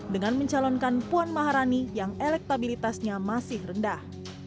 dengan mencalonkan puan maharani yang elektabilitasnya masih rendah